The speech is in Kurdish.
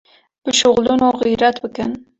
bişuxulin û xîretbikin.